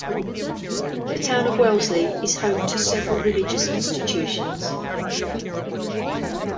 The town of Wellesley is home to several religious institutions.